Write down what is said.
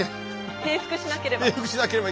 平伏しなければ。